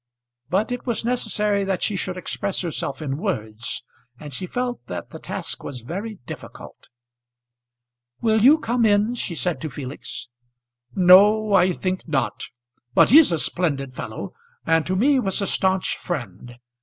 But it was necessary that she should express herself in words, and she felt that the task was very difficult. "Will you come in?" she said to Felix. "No, I think not. But he's a splendid fellow, and to me was a stanch friend.